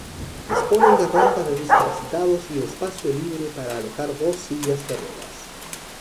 Disponen de rampa de discapacitados y espacio libre para alojar dos sillas de ruedas.